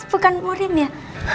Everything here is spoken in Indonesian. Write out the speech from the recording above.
bukan murim ya